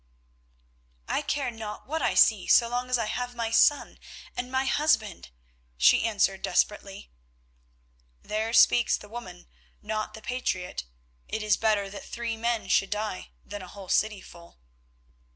"I care not what I see so long as I save my son and my husband," she answered desperately. "There speaks the woman, not the patriot. It is better that three men should die than a whole city full."